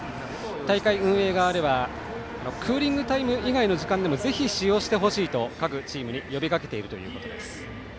大会運営側ではクーリングタイム以外の時間でもぜひ使用してほしいと各チームに呼びかけているということです。